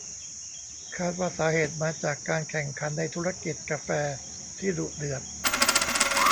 คาดว่าสาเหตุมาจากการแข่งขันในธุรกิจกาแฟที่ดุเดือด